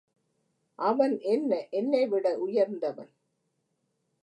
அவன் என்ன என்னைவிட உயர்ந்தவன்.